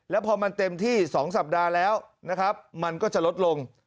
แล้วพอมันเต็มที่๒สัปดาห์แล้วนะครับมันก็จะลดลง